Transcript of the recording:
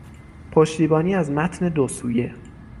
پشتیبانی از متن دوسویه